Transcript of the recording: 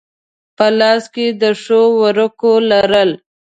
په لاس کې د ښو ورقو لرل.